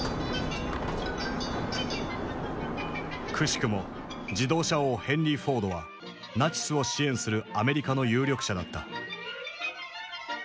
くしくも自動車王ヘンリー・フォードはナチスを支援するアメリカの有力者だった。